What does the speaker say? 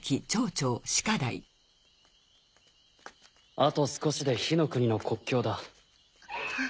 あと少しで火の国の国境だ。